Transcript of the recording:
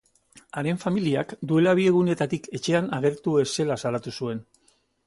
Haren familiak duela bi egunetatik etxean agertu ez zela salatu zuen.